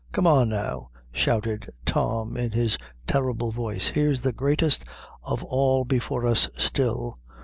"Come on now," shouted Tom, in his terrible voice; "here's the greatest of all before us still.